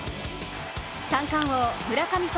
三冠王・村神様